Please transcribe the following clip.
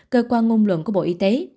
cơ quan ngôn luận của bộ y tế